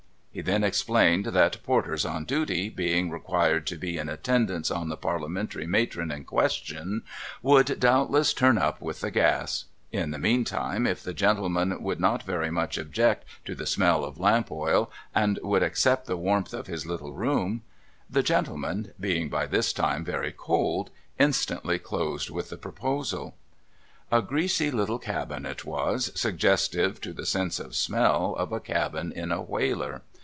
He then explained that porters on duty, being required to be in attendance on the Parliamentary matron in question, would doubtless turn up with the gas. Li the meantime, if the gentleman would not very much object to the smell of lamp oil, and would accept the warmth of his little room The gentleman, being by this time very cold, instantly closed with the proposal. A greasy little cabin it was, suggestive, to the sense of smell, of a cabin in a Whaler.